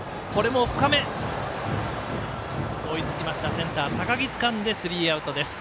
センター高木つかんでスリーアウトです。